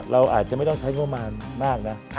เราอาจจะไม่ต้องใช้งบประมาณมากนะ